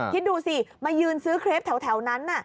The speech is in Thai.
คิดดูสิมายืนซื้อเครปแถวนั้น